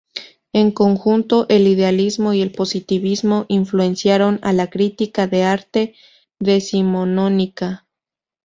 En conjunto, el idealismo y el positivismo influenciaron a la crítica de arte decimonónica.